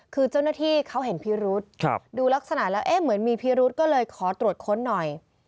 คือเจ้าหน้าที่เขาเห็นพิรุษดูลักษณะแล้วเหมือนมีพิรุธก็เลยขอตรวจค้นหน่อย